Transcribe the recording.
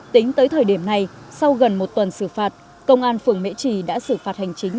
tính tới thời điểm này sau gần một tuần xử phạt công an phường mễ trì đã xử phạt hành chính